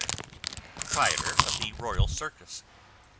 Pripetor of the Royal Circus.